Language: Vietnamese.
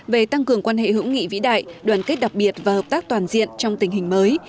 về tăng cường quan hệ hữu nghị vĩ đại đoàn kết đặc biệt và hợp tác toàn diện trong tình hình mới